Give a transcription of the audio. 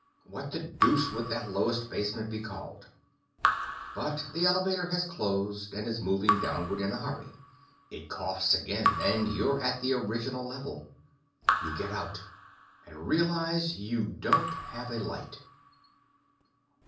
What the deuce would that lowest basement be called? But the elevator has closed and is moving downward in a hurry. It coughs again and you're at the original level. You get out and realize you don't have a light.